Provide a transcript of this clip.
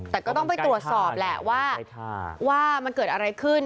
แต่ก็ต้องไปตรวจสอบแหละว่ามันเกิดอะไรขึ้น